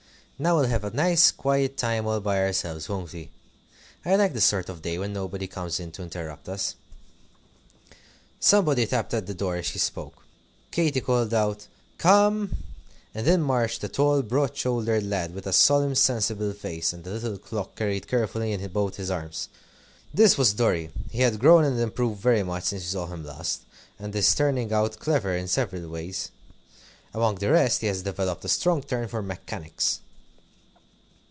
"Now we'll have a nice quiet time all by ourselves, won't we? I like this sort of day, when nobody comes in to interrupt us." Somebody tapped at the door, as she spoke. Katy called out, "Come!" And in marched a tall, broad shouldered lad, with a solemn, sensible face, and a little clock carried carefully in both his hands. This was Dorry. He has grown and improved very much since we saw him last, and is turning out clever in several ways. Among the rest, he has developed a strong turn for mechanics.